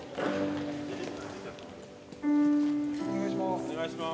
・お願いします。